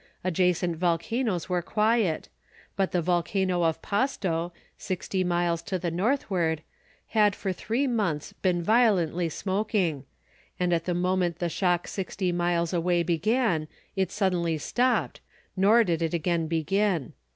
Adjacent volcanoes were quiet; but the volcano of Pasto, sixty miles to the northward, had for three months been violently smoking; and at the moment the shock sixty miles away began, it suddenly stopped, nor did it again begin.